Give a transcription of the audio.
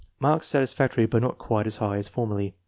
Marks satisfactory but not quite as high as formerly.